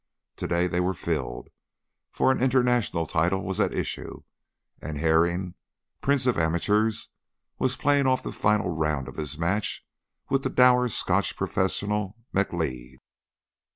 To day they were filled, for an international title was at issue and Herring, prince of amateurs, was playing off the final round of his match with the dour Scotch professional, McLeod.